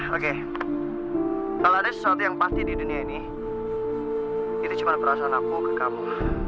oke kalau ada sesuatu yang pasti di dunia ini itu cuma perasaan aku ke kamu